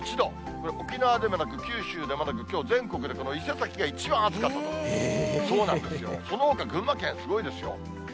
これ、沖縄でもなく、九州でもなく、全国でこの伊勢崎が一番暑かったと、そうなんですよ、そのほか群馬県、すごいですよ。